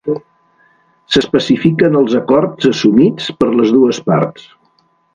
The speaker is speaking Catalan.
S'especifiquen els acords assumits per les dues parts.